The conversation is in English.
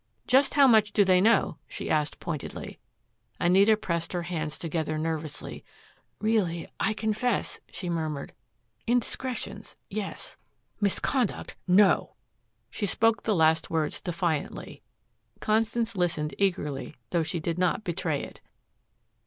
"Just how much do they know?" she asked pointedly. Anita had pressed her hands together nervously. "Really I confess," she murmured, "indiscretions yes; misconduct no!" She spoke the last words defiantly. Constance listened eagerly, though she did not betray it.